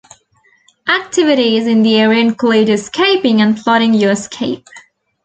Activities in the area include escaping and plotting your escape.